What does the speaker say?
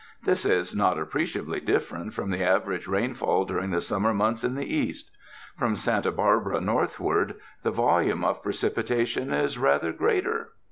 This is not ap preciably different from the average rainfall dur ing the summer months in the East. From Santa Barbara northward the volume of precipitation is rather greater.